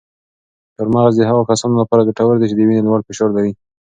چهارمغز د هغو کسانو لپاره ګټور دي چې د وینې لوړ فشار لري.